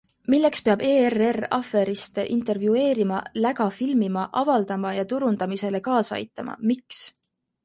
Milleks peab ERR aferiste intervjueerima, läga filmima, avaldama ja turundamisele kaasa aitama, miks?